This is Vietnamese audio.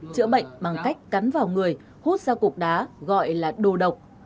chữa bệnh bằng cách cắn vào người hút ra cục đá gọi là đồ độc